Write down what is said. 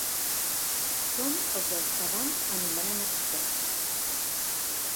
Som el que els pedants anomenen experts.